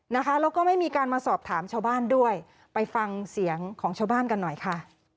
นะคะแล้วก็ไม่มีการมาสอบถามชาวบ้านด้วยไปฟังเสียงของชาวบ้านกันหน่อยค่ะ